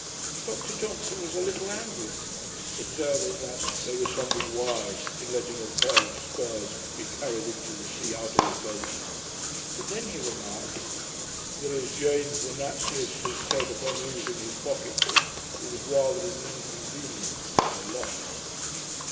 Dr Johnson was a little angry at first, observing that 'there was something wild in letting a pair of spurs be carried into the sea out of a boat'; but then he remarked, that, as Janes the naturalist had said upon losing his pocket book, it was rather an inconvenience than a loss.